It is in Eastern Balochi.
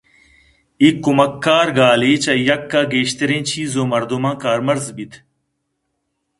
اے کُمکّار گالے چَہ یک ءَ گیشترّیں چیز ءُ مردماں کارمرز بیت۔